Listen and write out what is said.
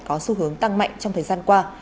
có xu hướng tăng mạnh trong thời gian qua